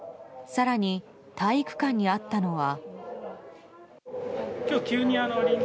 更に、体育館にあったのは。